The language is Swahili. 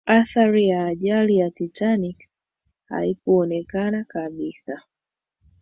athari ya ajali ya titanic haikuonekana kabisa